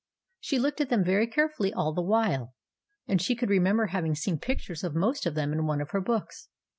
She looked at them very carefully all the while ; and she could remember having seen pic tures of most of them in one of her books.